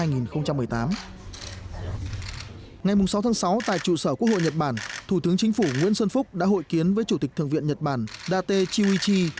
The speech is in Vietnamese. ngày sáu tháng sáu tại trụ sở quốc hội nhật bản thủ tướng chính phủ nguyễn xuân phúc đã hội kiến với chủ tịch thượng viện nhật bản date chiuichi